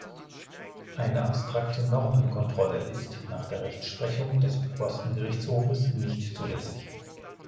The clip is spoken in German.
Eine abstrakte Normenkontrolle ist nach der Rechtsprechung des Obersten Gerichtshofes nicht zulässig.